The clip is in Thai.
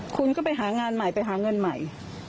คุณก็ไปหางานใหม่ไปหาเงินใหม่